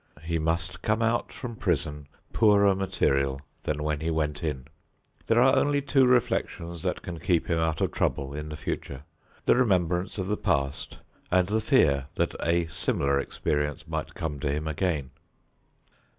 He must come out from prison poorer material than when he went in. There are only two reflections that can keep him out of trouble in the future: the remembrance of the past and the fear that a similar experience might come to him again.